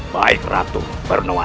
baik ratu pharura